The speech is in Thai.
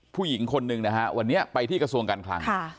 ผู้หญิงคนหนึ่งนะฮะวันนี้ไปที่กระทรวงการคลัง